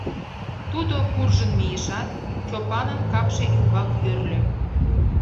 Тудо куржын мийышат, Чопанын капше ӱмбак йӧрльӧ.